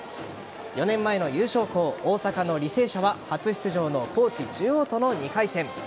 ４年前の優勝校大阪の履正社は初出場の高知中央との２回戦。